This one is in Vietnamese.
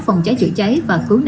phòng cháy chữa cháy và khứ nạn khứ hộ